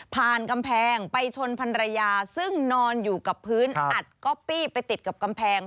กำแพงไปชนพันรยาซึ่งนอนอยู่กับพื้นอัดก๊อปปี้ไปติดกับกำแพง